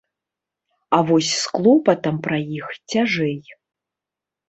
А вось з клопатам пра іх цяжэй.